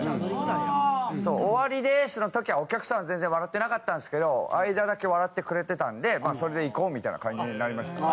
「終わりです！」の時はお客さんは全然笑ってなかったんですけど相田だけ笑ってくれてたんでそれでいこうみたいな感じになりました。